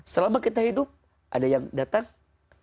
selama kita hidup ada yang datang ada yang pergi dan bukan itu jawabannya